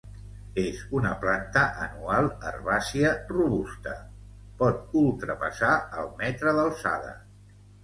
És una planta anual herbàcia robusta, pot ultrapassar el metre d'alçada.